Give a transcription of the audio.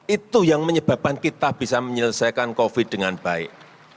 itu yang menyebabkan kita bisa menyelesaikan covid dengan baik